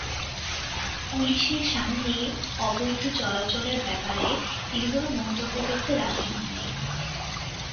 পুলিশের সামনেই অবৈধ চলাচলের ব্যাপারে তিনি কোনো মন্তব্য করতে রাজি হননি।